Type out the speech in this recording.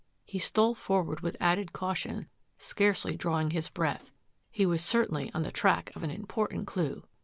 He stole forward with added caution, scarcely drawing his breath. He was certainly on the track of an important clue.